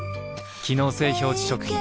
機能性表示食品